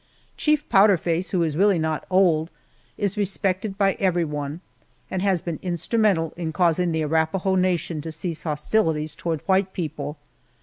Chief Powder Face, who is really not old, is respected by everyone, and has been instrumental in causing the Arapahoe nation to cease hostilities toward white people.